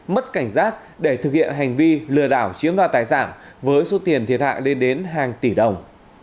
mất cảnh giác để thực hiện hành vi lừa đảo chiếm đoạt tài sản với số tiền thiệt hại lên đến hàng tỷ đồng